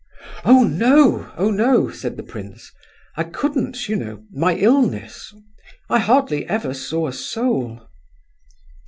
"Oh no, oh no!" said the prince; "I couldn't, you know—my illness—I hardly ever saw a soul."